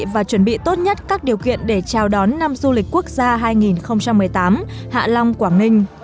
và chuẩn bị tốt nhất các điều kiện để chào đón năm du lịch quốc gia hai nghìn một mươi tám hạ long quảng ninh